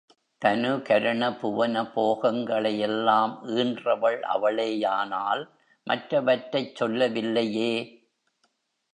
தனு கரண புவன போகங்களை எல்லாம் ஈன்றவள் அவளேயானால் மற்றவற்றைச் சொல்லவில்லையே?